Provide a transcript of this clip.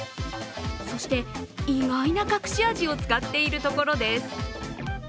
そして、意外な隠し味を使っているところです。